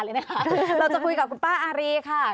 เราจะคุยกับคุณป้าอารีค่ะ